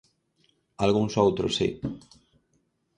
Algúns outros, si.